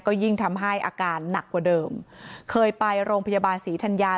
ก็ยิ่งทำให้อาการหนักกว่าเดิมเคยไปโรงพยาบาลศรีธัญญา